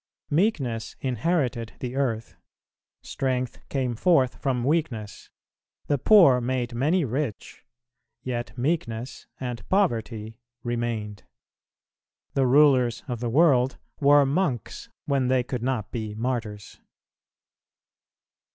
Meekness inherited the earth; strength came forth from weakness; the poor made many rich; yet meekness and poverty remained. The rulers of the world were Monks, when they could not be Martyrs.